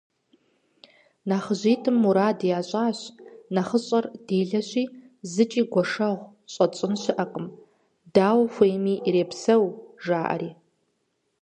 НэхъыжьитӀым мурад ящӀащ: «НэхъыщӀэр делэщи, зыкӀи гуэшэгъу щӀэтщӀын щыӀэкъым, дауэ хуейми ирепсэу», – жаӀэри.